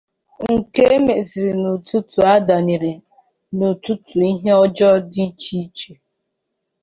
nke mezịrị na ọtụtụ adanyena n'ọtụtụ ihe ọjọ dị iche iche